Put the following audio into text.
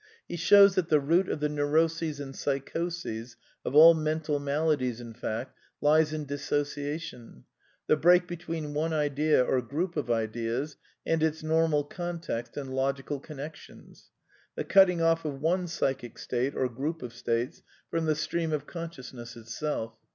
He shows that the root of the neuroses and psychoses, of all mental maladies in fact, liei^f in dissociation: the break between one idea, or group of 4 ideas, and its normal context and logical connections ; the \ cutting off of one psychic state, or group of states, from the stream of consciousness itself.